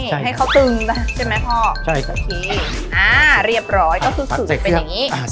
ให้เขาตึงซะใช่ไหมพ่อใช่สักทีอ่าเรียบร้อยก็คือสูตรเป็นอย่างนี้